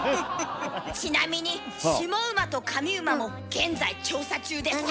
ちなみに下馬と上馬も現在調査中です。